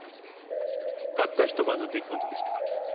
たった一晩の出来事でした。